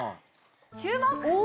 注目！